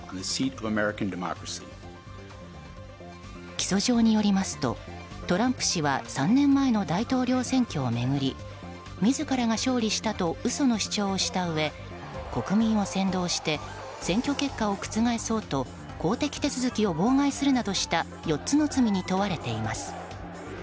起訴状によりますとトランプ氏は３年前の大統領選挙を巡り自らが勝利したと嘘の主張をしたうえ国民を先導して選挙結果を覆そうと公的手続きを妨害するなどした４つの罪に問われています。